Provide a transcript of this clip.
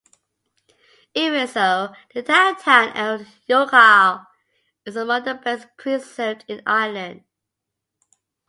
Even so, the downtown area of Youghal is among the best-preserved in Ireland.